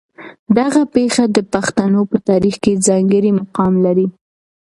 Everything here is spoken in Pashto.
دغه پېښه د پښتنو په تاریخ کې ځانګړی مقام لري.